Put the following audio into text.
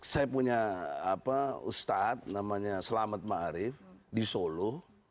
saya punya ustadz selamat ma'arif di solo